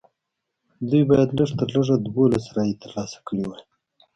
دوی باید لږ تر لږه دولس رایې ترلاسه کړې وای.